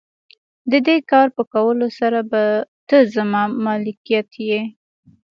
د دې کار په کولو سره به ته زما ملکیت یې.